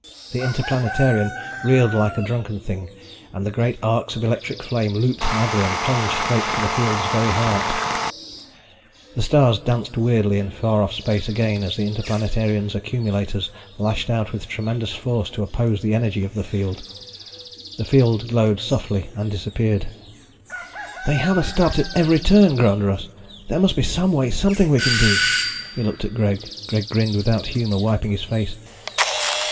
The Interplanetarian reeled like a drunken thing and the great arcs of electric flame looped madly and plunged straight for the field's very heart. The stars danced weirdly in far off space again as the Interplanetarian's accumulators lashed out with tremendous force to oppose the energy of the field. The field glowed softly and disappeared. "They have us stopped at every turn," groaned Russ. "There must be some way, something we can do." He looked at Greg. Greg grinned without humor, wiping his face.